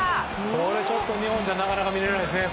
これちょっと日本じゃなかなか見られないですね。